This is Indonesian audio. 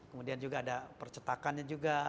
kemudian juga ada percetakannya juga